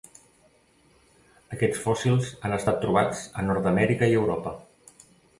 Aquests fòssils han estat trobats a Nord-amèrica i Europa.